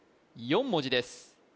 ４文字です